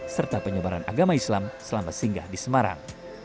serta penyebaran agama islam selama singgah di semarang